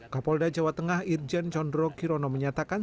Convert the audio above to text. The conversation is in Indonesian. kapolda jawa tengah irjen condro kirono menyatakan